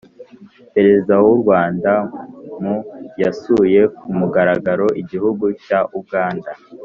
perezida w'u rwanda mu yasuye ku mugaragaro igihugu cya uganda,